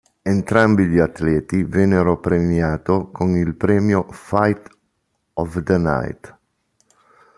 Entrambi gli atleti vennero premiato con il premio "Fight of the Night".